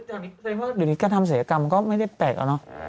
ว่าเดี๋ยวยนี้การทำศัลยกรรมมันก็ไม่ได้แปลกอ่ะเนอะ